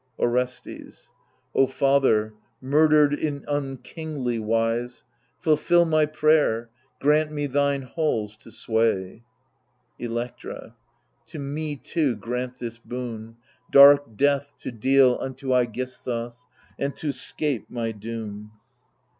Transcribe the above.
Orestes O father, murdered in unkingly wise. Fulfil my prayer, grant me thine halls to sway, Electra To me, too, grant this boon — dark death to deal Unto i£gisthus, and to 'scape my doom.